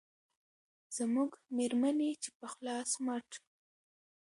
زموږ مېرمنې چې په خلاص مټ